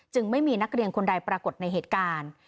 ไม่มีนักเรียนคนใดปรากฏในเหตุการณ์